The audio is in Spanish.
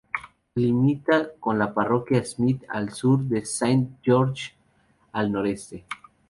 Limita con la parroquia Smith al sur, y con Saint George al noreste.